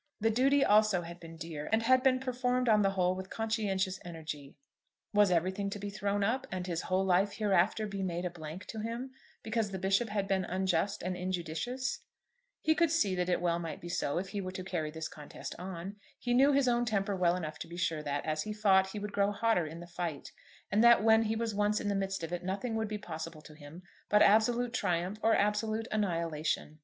The duty also had been dear, and had been performed on the whole with conscientious energy. Was everything to be thrown up, and his whole life hereafter be made a blank to him, because the Bishop had been unjust and injudicious? He could see that it well might be so, if he were to carry this contest on. He knew his own temper well enough to be sure that, as he fought, he would grow hotter in the fight, and that when he was once in the midst of it nothing would be possible to him but absolute triumph or absolute annihilation.